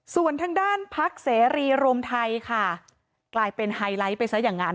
ส่วนทางด้านพักเสรีรวมไทยค่ะกลายเป็นไฮไลท์ไปซะอย่างนั้น